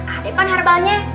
ada kan herbalnya